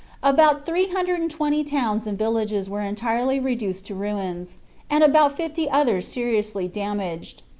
About 320 towns and villages were entirely reduced to ruins, and about fifty others seriously damaged.